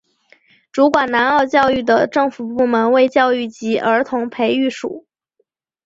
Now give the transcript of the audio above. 主管南澳教育的政府部门为教育及儿童培育署。